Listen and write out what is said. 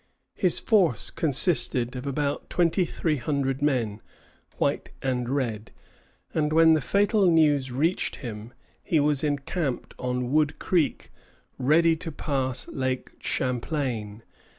His force consisted of about twenty three hundred men, white and red, and when the fatal news reached him he was encamped on Wood Creek, ready to pass Lake Champlain.